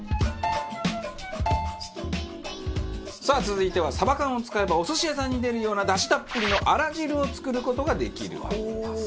さあ続いてはサバ缶を使えばお寿司屋さんに出るようなダシたっぷりのあら汁を作る事ができる。